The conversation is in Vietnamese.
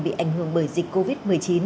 bị ảnh hưởng bởi dịch covid một mươi chín